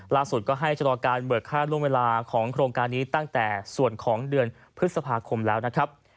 ล่าสุดก็ให้ชะลอการเบิกค่าล่วงเวลาของโครงการนี้ตั้งแต่ส่วนของเดือนพฤษภาคมแล้วนะครับ